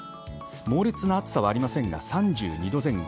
猛烈な暑さはありませんが３２度前後。